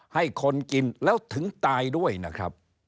ให้คนกินแล้วถึงตายด้วยนะครับ